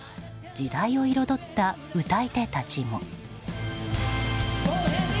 時代を彩った歌い手たちも。